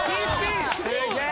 すげえ！